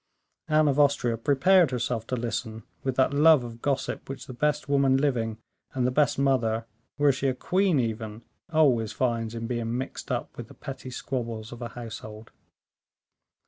Anne of Austria prepared herself to listen, with that love of gossip which the best woman living and the best mother, were she a queen even, always finds in being mixed up with the petty squabbles of a household.